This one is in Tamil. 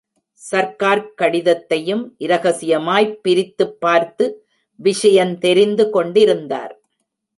சர்க்கார்க் கடிதத்தையும் இரகசியமாய்ப் பிரித்துப் பார்த்து விஷயந் தெரிந்து கொண்டிருந்தார்.